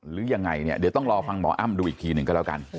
หรือยังไงเนี่ยเดี๋ยวต้องรอฟังหมออ้ำดูอีกทีหนึ่งก็แล้วกัน